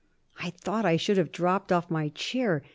I thought I should have dropped off my chair.